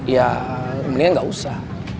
ya kemungkinan gak usah